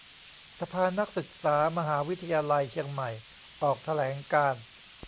สภานักศึกษามหาวิทยาลัยเชียงใหม่ออกแถลงการณ์